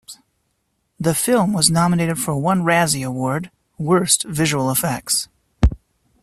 The film was nominated for one Razzie Award, Worst Visual Effects.